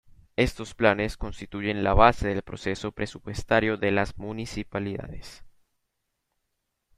Estos planes constituyen la base del proceso presupuestario de las municipalidades.